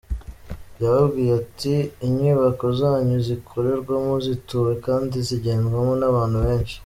Yababwiye ati :"Inyubako zanyu zikorerwamo, zituwe kandi zigendwamo n’abantu benshi.